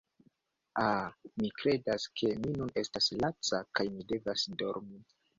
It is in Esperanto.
Ah, mi kredas ke mi nun estas laca kaj mi devas dormi